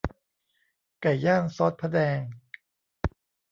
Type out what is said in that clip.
ไก่ย่างซอสพะแนง